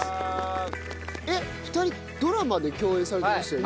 えっ２人ドラマで共演されてましたよね？